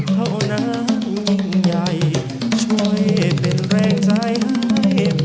เป็นแรงใจให้ผมรักมาก